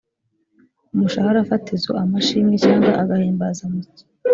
umushahara fatizo amashimwe cyangwa agahimbazamusyi